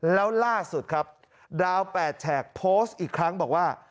แล้วล่าสุดครับดาว๘แฉกโพสต์อีกครั้งบอกว่า